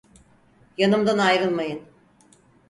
Yanımdan ayrılmayın!